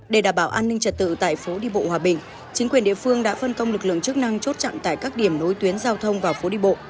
để đảm bảo an ninh trật tự tại phố đi bộ hòa bình chính quyền địa phương đã phân công lực lượng chức năng chốt chặn tại các điểm nối tuyến giao thông vào phố đi bộ